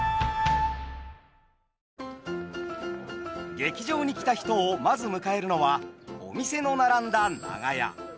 劇場に来た人をまず迎えるのはお店の並んだ長屋。